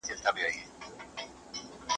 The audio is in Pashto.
جانان د پېغلي اودس تازه کی.